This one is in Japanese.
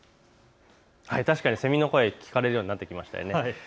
確かに、セミの声、聞かれるようになってきましたね。